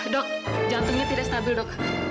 dok jantungnya tidak stabil dok